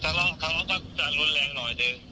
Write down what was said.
แต่หมดทะเลาะทะเลาะก็จะรุนแรงหน่อยด้วย